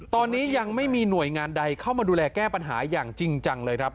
ตอนนี้ยังไม่มีหน่วยงานใดเข้ามาดูแลแก้ปัญหาอย่างจริงจังเลยครับ